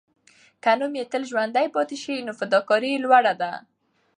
که نوم یې تل ژوندی پاتې سي، نو فداکاري یې لوړه ده.